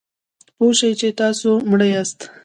پوه شئ چې تاسو مړه یاست .